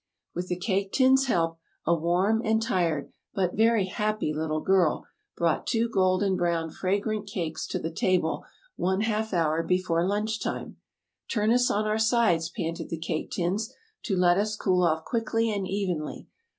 With the Cake Tins' help, a warm and tired, but very happy little girl brought two golden brown fragrant cakes to the table one half hour before lunch time. "Turn us on our sides," panted the Cake Tins, "to let us cool off quickly and evenly.